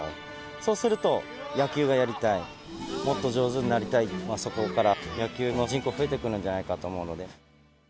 そうすると、野球がやりたい、もっと上手になりたい、そこから野球の人口増えてくるんじゃないかと思うので。